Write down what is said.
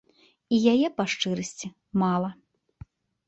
І яе, па шчырасці, мала.